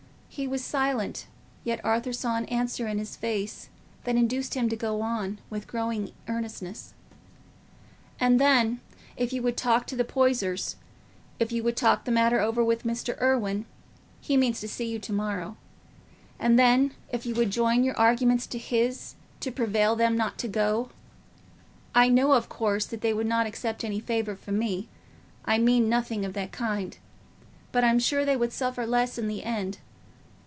He was silent; yet Arthur saw an answer in his face that induced him to go on, with growing earnestness. "And then, if you would talk to the Poysers—if you would talk the matter over with Mr. Irwine—he means to see you to morrow—and then if you would join your arguments to his to prevail on them not to go.... I know, of course, that they would not accept any favour from me—I mean nothing of that kind—but I'm sure they would suffer less in the end.